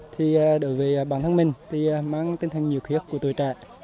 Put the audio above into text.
thì đối với bản thân mình mang tinh thần nhiều khuyết của tuổi trẻ